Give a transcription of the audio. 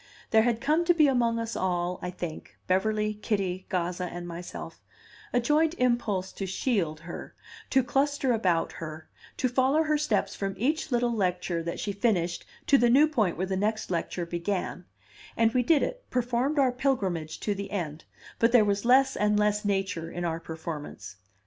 There had come to be among us all, I think Beverly, Kitty, Gazza, and myself a joint impulse to shield her, to cluster about her, to follow her steps from each little lecture that she finished to the new point where the next lecture began; and we did it, performed our pilgrimage to the end; but there was less and less nature in our performance.